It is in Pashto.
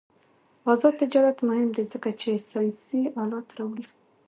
آزاد تجارت مهم دی ځکه چې ساینسي آلات راوړي.